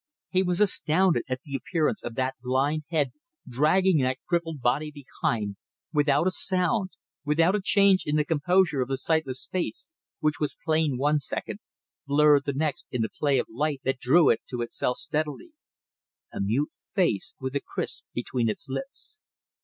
He was astounded at the appearance of that blind head dragging that crippled body behind, without a sound, without a change in the composure of the sightless face, which was plain one second, blurred the next in the play of the light that drew it to itself steadily. A mute face with a kriss between its lips.